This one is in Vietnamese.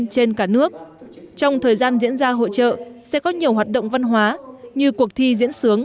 trên cả nước trong thời gian diễn ra hội trợ sẽ có nhiều hoạt động văn hóa như cuộc thi diễn sướng